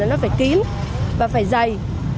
nó phải kín và phải dày